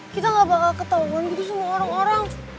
kita gak bakal ketauan gitu sama orang orang